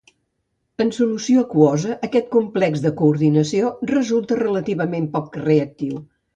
En solució aquosa aquest complex de coordinació resulta relativament poc reactiu.